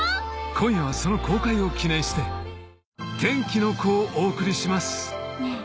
今夜はその公開を記念して『天気の子』をお送りしますねえ